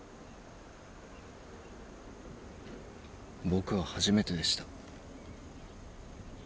僕は初めてでした。